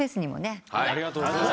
ありがとうございます。